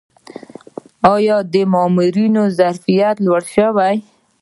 آیا د مامورینو ظرفیت لوړ شوی؟